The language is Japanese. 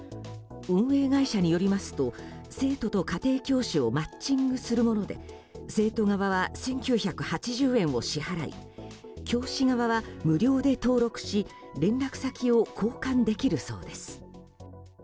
運営会社によりますと生徒と家庭教師をマッチングするもので生徒側は１９８０円を支払い教師側は無料で登録し連絡先を交換できるそうです。